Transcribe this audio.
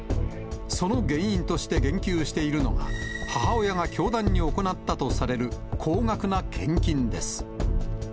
その原因として言及しているのが、母親が教団に行ったとされる高額な献金です。